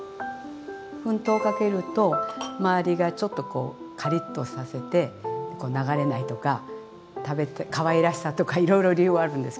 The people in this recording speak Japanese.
粉糖かけるとまわりがちょっとこうカリッとさせてこう流れないとか食べてかわいらしさとかいろいろ理由はあるんですけど。